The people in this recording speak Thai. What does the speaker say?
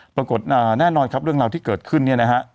ปรากฏแน่นอนครับเรื่องราวที่เกิดขึ้น